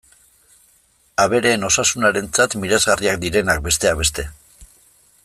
Abereen osasunarentzat miresgarriak direnak, besteak beste.